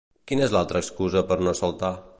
Quina és l'altra excusa per no saltar?